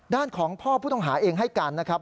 ด้านของพ่อผู้ต้องหาเองให้กันนะครับ